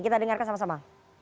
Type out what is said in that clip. kita dengarkan sama sama